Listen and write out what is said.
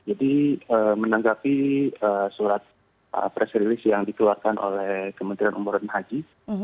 jadi menanggapi surat press release yang dikeluarkan oleh kementerian umroh dan haji